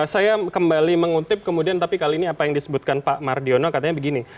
saya kembali mengutip kemudian tapi kali ini apa yang disebutkan pak mardiono katanya begini